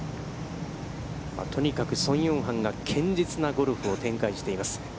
とにかく、宋永漢が堅実なゴルフを展開しています。